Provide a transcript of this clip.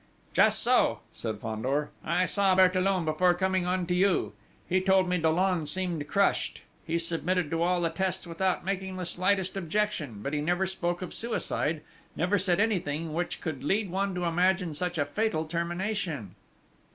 "Just so," said Fandor. "I saw Bertillon before coming on to you. He told me Dollon seemed crushed: he submitted to all the tests without making the slightest objection; but he never spoke of suicide, never said anything which could lead one to imagine such a fatal termination."